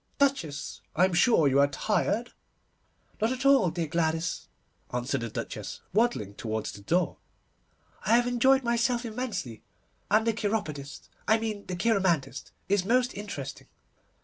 Duchess, I am sure you are tired?' 'Not at all, dear Gladys,' answered the Duchess, waddling towards the door. 'I have enjoyed myself immensely, and the cheiropodist, I mean the cheiromantist, is most interesting.